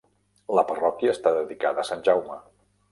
La parròquia està dedicada a Sant Jaume.